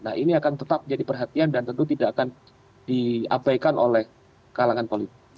nah ini akan tetap jadi perhatian dan tentu tidak akan diabaikan oleh kalangan politik